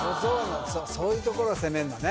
そういうところを攻めんだね